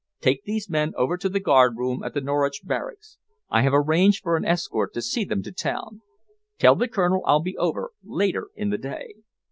Take these men over to the guardroom at the Norwich Barracks. I have arranged for an escort to see them to town. Tell the colonel I'll be over later in the day."